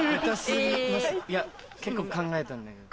結構考えたんだけど。